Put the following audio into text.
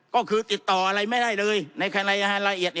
ก็คือติดต่ออะไรไม่ได้เลยในรายละเอียด